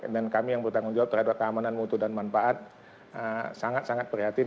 dan kami yang bertanggung jawab terhadap keamanan mutu dan manfaat sangat sangat prihatin